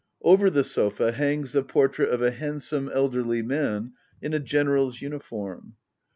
Over the sofa hangs the portrait of a handsome elderly man in a GeneraPs uniform.